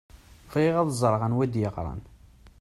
Bɣiɣ ad ẓṛeɣ anwa i d-yeɣṛan.